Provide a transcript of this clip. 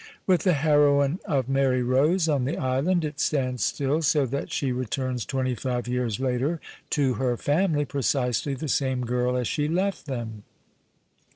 With the heroine of Mary Ruse on the island it stands still, so that she returns twenty five years later to her family precisely the same girl as she left them.